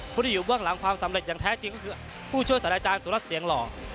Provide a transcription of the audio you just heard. ผู้ที่อยู่บ้างหลังความสำเร็จอย่างแท้จริงคือผู้ช่วยสัญลักษณ์สุรัสตร์เสียงหล่อ